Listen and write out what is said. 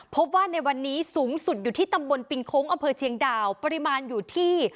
พบว่าในวันนี้สูงสุดอยู่ที่ตำบลปิงโค้งอำเภอเชียงดาวปริมาณอยู่ที่